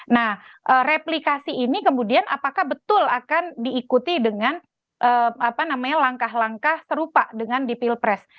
nah replikasi ini kemudian apakah betul akan diikuti dengan langkah langkah serupa dengan di pilpres